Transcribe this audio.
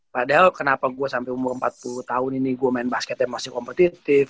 padahal kenapa gue sampai umur empat puluh tahun ini gue main basketnya masih kompetitif